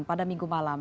pada minggu malam